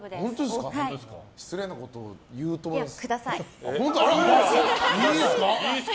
失礼なこと言うと思います。